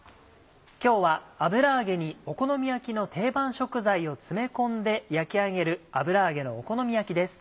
今日は油揚げにお好み焼きの定番食材を詰め込んで焼き上げる「油揚げのお好み焼き」です。